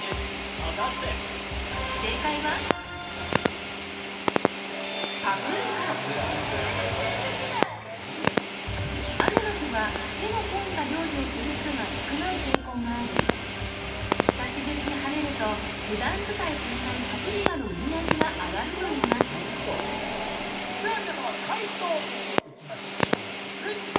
果たして正解はパプリカ雨の日は手の込んだ料理をする人が少ない傾向があり久しぶりに晴れると普段使いされないパプリカの売り上げが上がるといいますでは皆様解答見ていきましょうフリップ